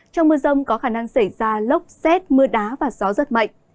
trong mưa rông có khả năng xảy ra lốc xét mưa đá và gió rất mạnh